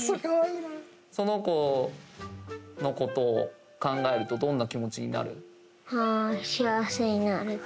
その子のことを考えるとどんな気持ちになる？